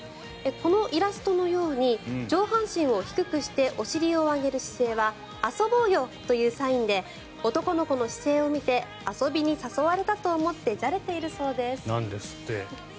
このイラストのように上半身を低くしてお尻を上げる姿勢は遊ぼうよ！というサインで男の子の姿勢を見て遊びに誘われたと思ってなんですって。